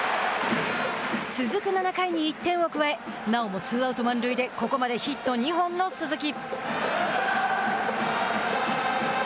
続く７回に１点を加えなおもツーアウト、満塁でここまでヒット２本の鈴木。